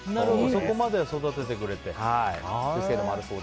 そこまでは育ててくれてと。